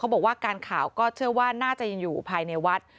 บอกว่าการข่าวก็เชื่อว่าน่าจะยังอยู่ภายในวัด